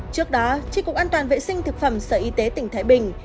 trước đó tri cục an toàn vệ sinh thực phẩm sở y tế tỉnh thái bình